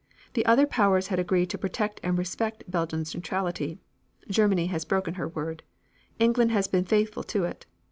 The other powers had agreed to protect and to respect Belgium's neutrality. Germany has broken her word, England has been faithful to it.